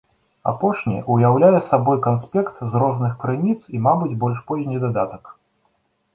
Апошні ўяўляе сабой канспект з розных крыніц і, мабыць, больш позні дадатак.